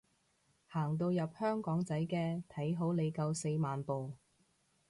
行到入香港仔嘅，睇好你夠四萬步